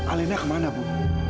alena kemana bu